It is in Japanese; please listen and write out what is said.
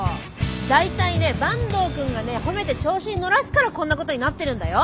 大体ね坂東くんがね褒めて調子に乗らすからこんなことになってるんだよ。